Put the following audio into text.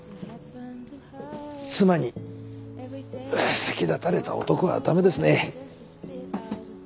妻に先立たれた男は駄目ですね。